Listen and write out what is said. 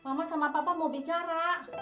mama sama papa mau bicara